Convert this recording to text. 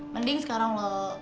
mending sekarang lo